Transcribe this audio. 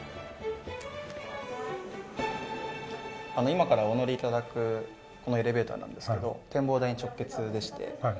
今からお乗り頂くこのエレベーターなんですけど展望台に直結でして。